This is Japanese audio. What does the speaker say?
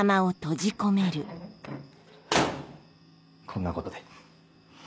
こんなことで。